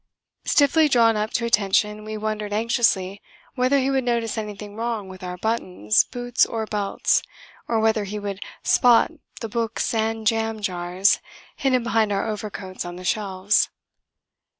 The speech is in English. Stiffly drawn up to attention, we wondered anxiously whether he would notice anything wrong with our buttons, boots or belts, or whether he would "spot" the books and jam jars hidden behind our overcoats on the shelves.